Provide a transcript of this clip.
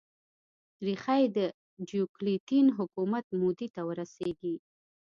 ریښه یې د ډیوکلتین حکومت مودې ته ور رسېږي